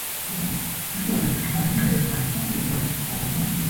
With the Greeks a tradition commenced in the study of language.